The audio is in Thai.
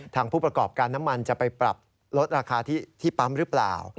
ผู้ประกอบการน้ำมันจะไปปรับลดราคาที่ปั๊มหรือเปล่า